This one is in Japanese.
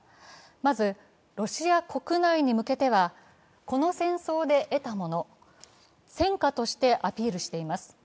まず、ロシア国内に向けてはこの戦争で得たもの、戦果としてアピールしています。